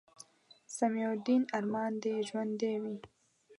سمیع الدین ارمان دې ژوندے وي